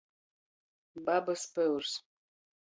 Babys pyurs.